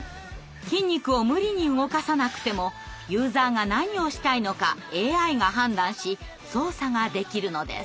筋肉を無理に動かさなくてもユーザーが何をしたいのかＡＩが判断し操作ができるのです。